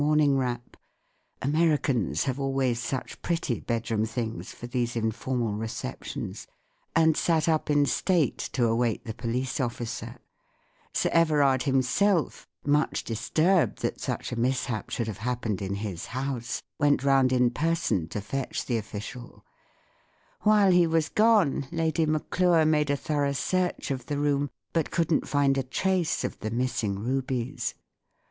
ing wrap — Americans have always such pretty bedroom things for these informal receptions—and sat up in state to await the police officer* Sir Everard himself, much disturbed that such a mishap should have happened in his house, went round in person to fetch the official While he was gone, J^ady Maclure made a thorough search of the room, but couldn't find a trace of the missing rubles.